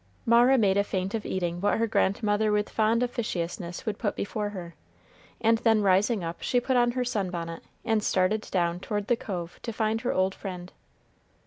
Mara made a feint of eating what her grandmother with fond officiousness would put before her, and then rising up she put on her sun bonnet and started down toward the cove to find her old friend.